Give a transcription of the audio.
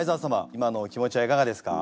今のお気持ちはいかがですか？